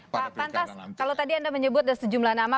pak pantas kalau tadi anda menyebut ada sejumlah nama